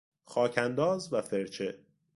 خاک انداز و فرچه